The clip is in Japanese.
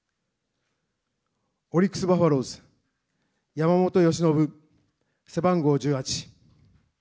オリックスバファローズ、山本由伸、背番号１８。